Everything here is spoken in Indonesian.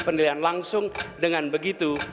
penilaian langsung dengan begitu